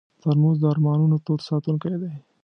ترموز د ارمانونو تود ساتونکی دی.